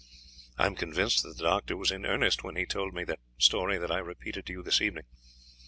I am convinced that the doctor was in earnest when he told me that story that I repeated to you this evening.